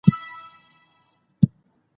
ایا تاسو د سید قطب اثار پیژنئ؟